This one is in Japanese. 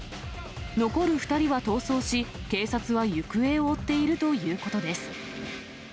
残る２人は逃走し、警察は行方を追っているということです。